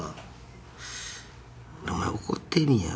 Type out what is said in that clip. お前怒ってみぃや。